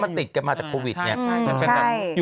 มันติดกันมาจากโควิดเนี่ย